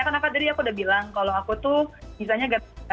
dede dede aku udah bilang kalau aku tuh bisa nggak